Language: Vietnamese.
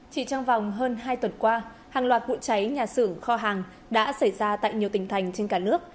chỉ trong vòng hơn hai tuần qua hàng loạt vụ cháy nhà xưởng kho hàng đã xảy ra tại nhiều tỉnh thành trên cả nước